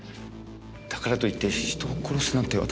だからといって人を殺すなんて私には。